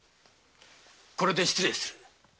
これで失礼する。